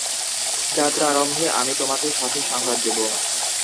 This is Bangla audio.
যাত্রারম্ভে আমি তোমাকে সঠিক সংবাদ দেব।